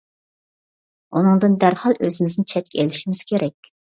ئۇنىڭدىن دەرھال ئۆزىمىزنى چەتكە ئېلىشىمىز كېرەك.